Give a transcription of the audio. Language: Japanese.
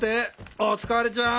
おつかれちゃん。